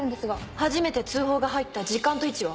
初めて通報が入った時間と位置は？